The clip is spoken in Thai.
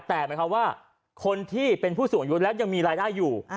แต่หมายความว่าคนที่เป็นผู้สูงอายุแล้วยังมีรายได้อยู่